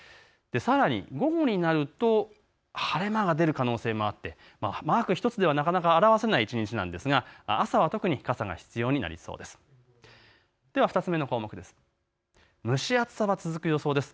さらに夜になると晴れ間が出る可能性もあってマーク１つではなかなかあらわせない一日なんですが朝は特に傘が必要になりそうです。